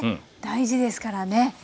大事ですからね。